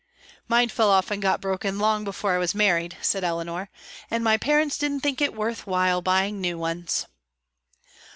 "Mine fell off and got broken long before I was married," said Eleanor, "and my parents didn't think it worth while to buy new ones."